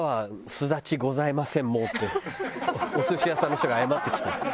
「すだちございませんもう」ってお寿司屋さんの人が謝ってきて。